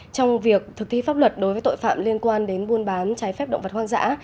trong việc thực thi pháp luật đối với tội phạm liên quan đến buôn bán trái phép động vật hoang dã